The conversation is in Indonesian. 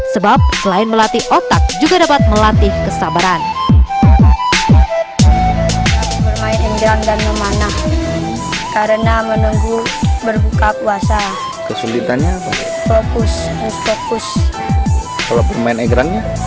sebab selain melatih otak juga dapat melatih jenis permainan